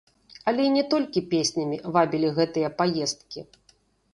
Але не толькі песнямі вабілі гэтыя паездкі.